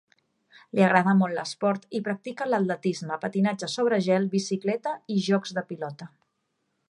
Li agrada molt l'esport i practica l'atletisme, patinatge sobre gel, bicicleta i jocs de pilota.